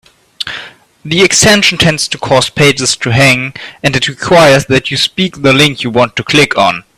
The extension tends to cause pages to hang, and it requires that you speak the link you want to click on.